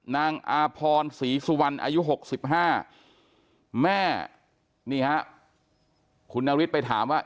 นางอาพรศรีสุวรรณอายุหกสิบห้าแม่นี่ครับคุณนาวิทย์ไปถามว่า